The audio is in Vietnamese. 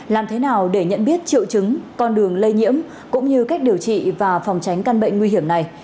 làm thế nào để nhận biết triệu chứng con đường lây nhiễm cũng như cách điều trị và phòng tránh căn bệnh nguy hiểm này